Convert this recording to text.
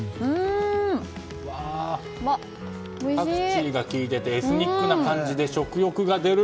パクチーが効いていてエスニックな感じで食欲が出る！